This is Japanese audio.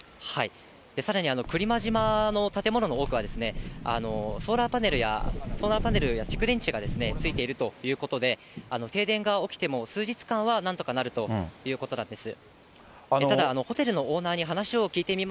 さらにくりま島の建物の多くは、ソーラーパネルや蓄電池がついているということで、停電が起きても数日間はなんとかなるということなんです。